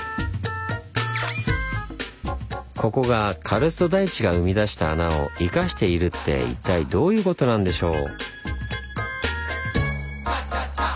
ここがカルスト台地が生み出した穴を生かしているって一体どういうことなんでしょう？